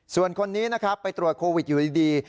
ส่วนคนนี้นะครับไปตรวจโควิดอยู่ดี